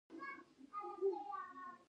هغې د سفر تر سیوري لاندې د مینې کتاب ولوست.